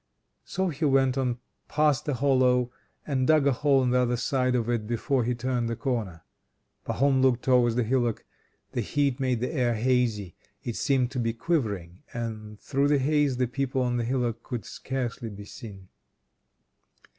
So he went on past the hollow, and dug a hole on the other side of it before he turned the corner. Pahom looked towards the hillock. The heat made the air hazy: it seemed to be quivering, and through the haze the people on the hillock could scarcely be seen.